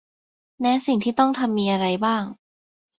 แนะสิ่งที่ต้องทำมีอะไรบ้าง